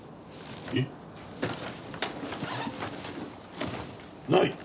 えっ？ない！